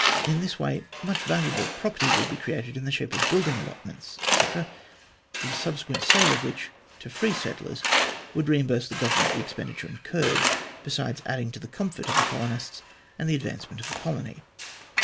In this way much valuable property would be created in the shape of building allotments, etc., the subsequent sale of which to free settlers would reimburse the Government the expenditure incurred, besides adding to the comfort of the colonists and the advancement of the colony.